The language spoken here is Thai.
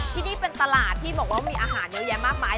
ที่นี่เป็นตลาดที่บอกว่ามีอาหารเยอะแยะมากมาย